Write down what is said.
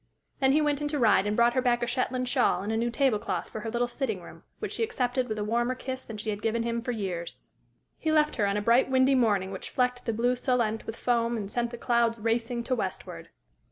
Then he went into Ryde and brought her back a Shetland shawl and a new table cloth for her little sitting room, which she accepted with a warmer kiss than she had given him for years. He left her on a bright, windy morning which flecked the blue Solent with foam and sent the clouds racing to westward.